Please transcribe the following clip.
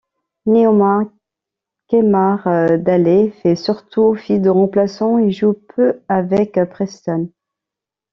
Néanmoins, Keammar Daley fait surtout office de remplaçant et joue peu avec Preston.